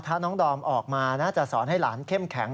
ถ้าน้องดอมออกมานะจะสอนให้หลานเข้มแข็ง